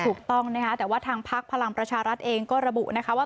ถูกต้องนะคะแต่ว่าทางพักพลังประชารัฐเองก็ระบุนะคะว่า